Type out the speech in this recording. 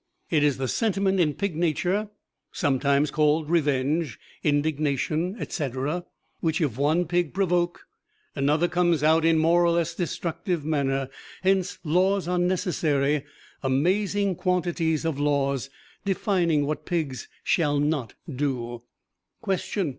It is the sentiment in Pig nature sometimes called revenge, indignation, etc., which if one Pig provoke, another comes out in more or less destructive manner; hence laws are necessary amazing quantities of laws defining what Pigs shall not do. "Question.